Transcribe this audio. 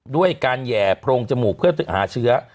ด้วยการแห่โพรงจมูกเพื่อหาเชื้อ